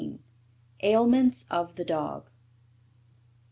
AILMENTS OF THE DOG.